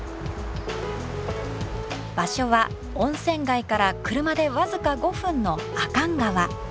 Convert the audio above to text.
場所は温泉街から車で僅か５分の阿寒川。